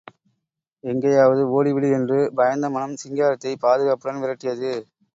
எங்கேயாவது ஓடிவிடு என்று பயந்த மனம் சிங்காரத்தை பாதுகாப்புடன் விரட்டியது.